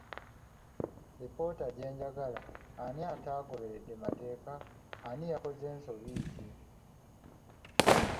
Lipoota gye njagala ani atagoberedde mateeka, ani yakoze nsobi ki?